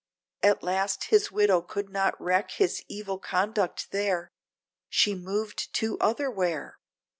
At last his widow could not reck his evil conduct there, She moved to otherwhere.